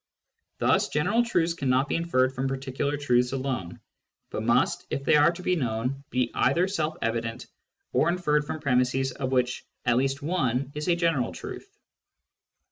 Thus general truths cannot be inferred from particular truths alone, but must, if they are to be known, be either ^elf evidentjj or inferred from premisses of which at least one is a general truth.